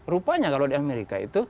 rupanya kalau di amerika itu